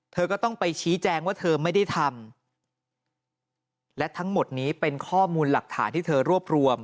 เธอก็ต้องไปชี้แจงว่าเธอไม่ได้ทำและทั้งหมดนี้เป็นข้อมูลหลักฐานที่เธอรวบรวม